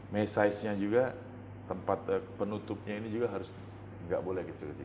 mesaiznya juga tempat penutupnya ini juga harus nggak boleh kecil kecil